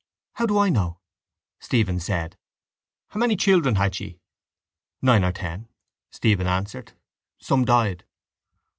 —How do I know? Stephen said. —How many children had she? —Nine or ten, Stephen answered. Some died.